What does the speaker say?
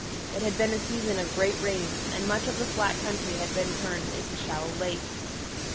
It had been a season of great rains, and much of the flat country had been turned into shallow lakes.